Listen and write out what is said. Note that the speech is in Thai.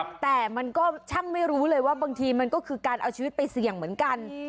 แต่มันก็ช่างไม่รู้เลยว่าบางทีมันก็คือการเอาชีวิตไปเสี่ยงเหมือนกัน